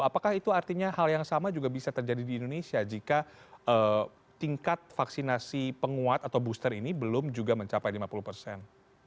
apakah itu artinya hal yang sama juga bisa terjadi di indonesia jika tingkat vaksinasi penguat atau booster ini belum juga mencapai lima puluh persen